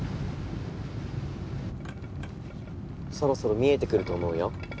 そろそろ見えてくると思うよ。